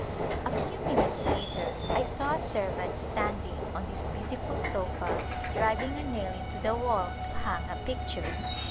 A few minutes later I saw a servant standing on this beautiful sofa driving a nail into the wall to hang a picture.